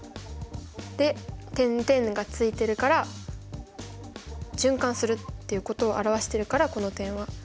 で点々が付いてるから循環するっていうことを表してるからこの点は。